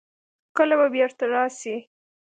کله به بېرته راسي.